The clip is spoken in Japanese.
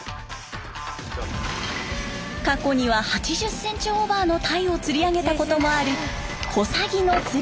過去には８０センチオーバーの鯛を釣り上げたこともある小佐木の釣り